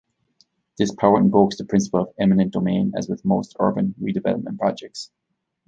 This power invokes the principle of eminent domain as with most urban redevelopment projects.